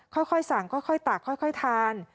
ค่อยสั่งค่อยตักค่อยทาน